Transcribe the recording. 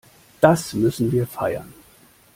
Das müssen wir feiern.